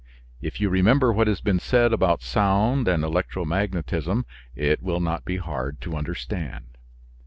If you remember what has been said about sound and electromagnetism it will not be hard to understand.